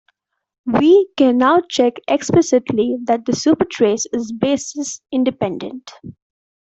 We can now check explicitly that the supertrace is basis independent.